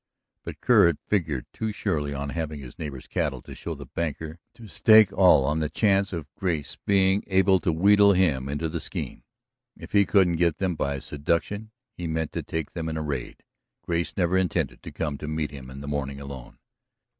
But Kerr had figured too surely on having his neighbor's cattle to show the banker to stake all on the chance of Grace being able to wheedle him into the scheme. If he couldn't get them by seduction, he meant to take them in a raid. Grace never intended to come to meet him in the morning alone.